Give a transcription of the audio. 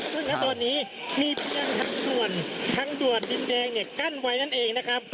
เพราะฉะนั้นตอนนี้มีเพียงทั้งส่วนทั้งดวดดินแดงเนี่ยกั้นไว้นั่นเองนะครับ